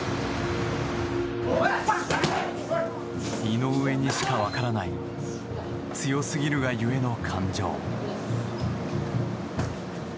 井上にしか分からない強すぎるがゆえの感情。